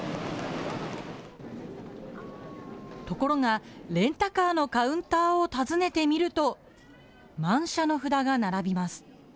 ところがレンタカーのカウンターを訪ねてみると、満車の札が並びます。